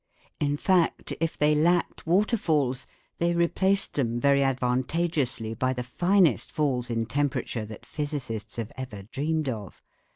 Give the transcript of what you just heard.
In fact, if they lacked waterfalls, they replaced them very advantageously by the finest falls in temperature that physicists have ever dreamed of.